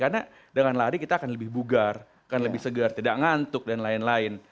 karena dengan lari kita akan lebih bugar akan lebih segar tidak ngantuk dan lain lain